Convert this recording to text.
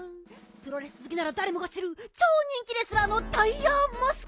プロレスずきならだれもがしるちょうにんきレスラーのタイヤーマスク！